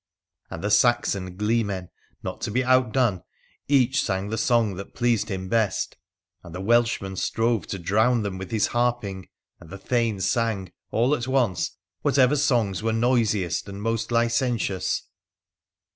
And the Saxon gleemen, not to be outdone, each sang the song that pleased him best ; and the Welshman strove to drown them with his harping; and the thanes sang, all at once, whatever songs were noisiest and most licentious.